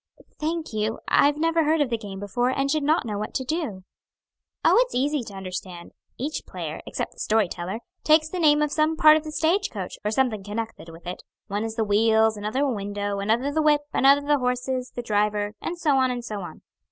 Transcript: "Thank you; I never heard of the game before, and should not know what to do." "Oh, it's easy to understand. Each player except the story teller takes the name of some part of the stage coach, or something connected with it; one is the wheels, another the window, another the whip, another the horses, driver, and so on, and so on.